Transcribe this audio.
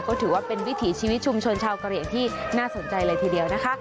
ก็ถือว่าเป็นวิถีชีวิตชุมชนชาวกะเหลี่ยงที่น่าสนใจเลยทีเดียวนะคะ